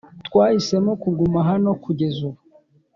twahisemo kuguma hano kugeza ubu.